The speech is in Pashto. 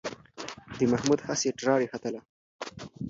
د محمود هسې ټراري ختله.